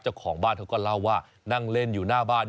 เจ้าของบ้านเขาก็เล่าว่านั่งเล่นอยู่หน้าบ้าน